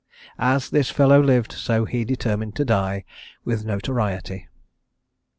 As this fellow lived, so he determined to die with notoriety.